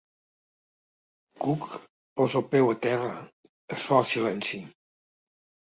Cook posa el peu a terra es fa el silenci.